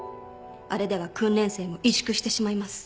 あれでは訓練生も萎縮してしまいます。